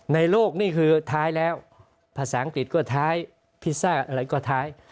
ในโลกนี่คือท้ายแล้วภาษาอังกฤษก็ท้ายพิซซ่าอะไรก็ท้าย